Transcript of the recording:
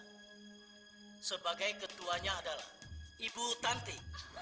hai sebagai ketuanya adalah ibu tanti